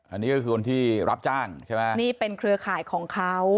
อันนี้ก็คือคนที่รับจ้างใช่ไหมนี่เป็นเครือข่ายของเขา